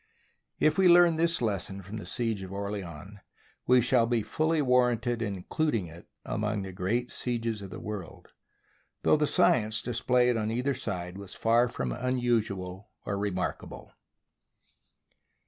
If we learn this lesson from the siege of Orleans, we shall be fully warranted in including it among the great sieges of the world, though the science displayed on either side was far from unusual or remarkable.